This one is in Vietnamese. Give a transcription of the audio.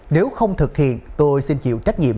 nếu không thực hiện tôi xin chịu trách nhiệm